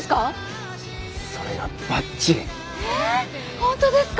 本当ですか！？